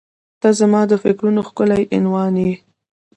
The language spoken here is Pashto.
• ته زما د فکرونو ښکلی عنوان یې.